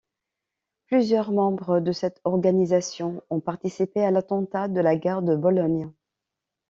Plusieurs membres de cette organisations ont participé à l'attentat de la gare de Bologne.